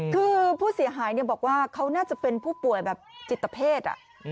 คือผู้เสียหายบอกว่าเขาน่าจะเป็นผู้ป่วยแบบจิตเพศ